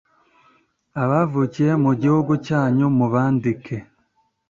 abavukiye mu gihugu cyanyu mubandike.